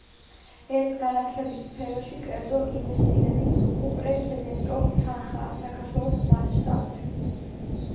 ეს განათლების სფეროში კერძო ინვესტირების უპრეცენდენტო თანხაა საქართველოს მასშტაბით.